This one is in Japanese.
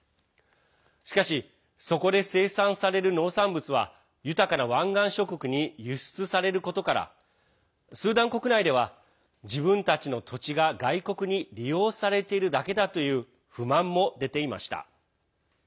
しかし、そこで生産される農産物は豊かな湾岸諸国に輸出されることからスーダン国内では自分たちの土地が外国に利用されているだけだという不満も出ていました。